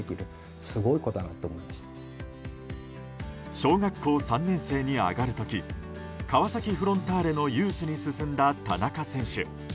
小学校３年生に上がる時川崎フロンターレのユースに進んだ田中選手。